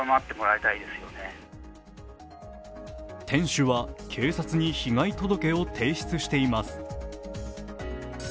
店主は警察に被害届を提出しています。